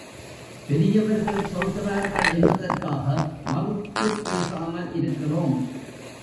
பெரியவர்கள் சொல்கிறார்கள் என்பதற்காக மறுத்துப் பேசாமல் இருக்கிறோம்.